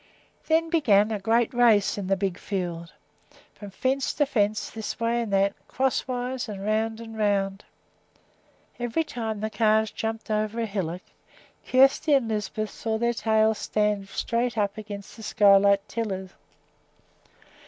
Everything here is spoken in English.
Then began a great race in the big field, from fence to fence, this way and that, crosswise, and round and round. Every time the calves jumped over a hillock Kjersti and Lisbeth saw their tails stand straight up against the sky like tillers.